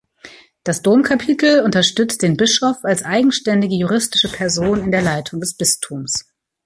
Das Domkapitel unterstützt den Bischof als eigenständige juristische Person in der Leitung des Bistums.